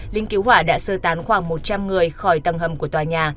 lính cứu hỏa đã sơ tán khoảng một trăm linh người khỏi tầng hầm của tòa nhà